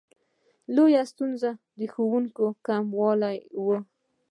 لویه ستونزه د ښوونکو کموالی و.